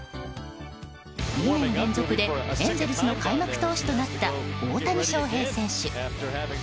２年連続でエンゼルスの開幕投手となった大谷翔平選手。